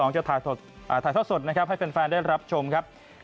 จะถ่ายทอดสดนะครับให้แฟนได้รับชมครับ